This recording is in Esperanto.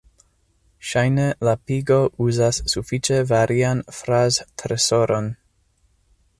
Ŝajne la pigo uzas sufiĉe varian fraz-tresoron.